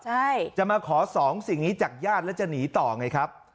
ใช่จะมาขอสองสิ่งนี้จากญาติแล้วจะหนีต่อไงครับ